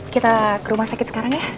kita ke rumah sakit sekarang ya